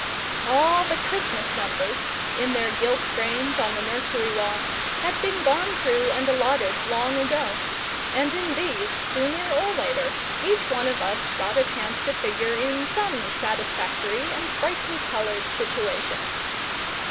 All the Christmas numbers, in their gilt frames on the nursery wall, had been gone through and allotted long ago; and in these, sooner or later, each one of us got a chance to figure in some satisfactory and brightly coloured situation.